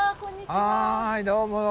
はいどうも。